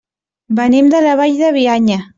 Venim de la Vall de Bianya.